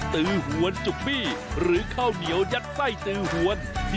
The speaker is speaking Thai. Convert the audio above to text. ตือหวนจุกบี้หรือข้าวเหนียวยัดไส้ตือหวน